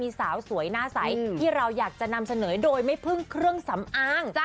มีสาวสวยหน้าใสที่เราอยากจะนำเสนอโดยไม่พึ่งเครื่องสำอาง